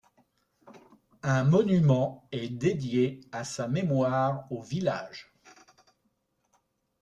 Un monument est dédié à sa mémoire au village.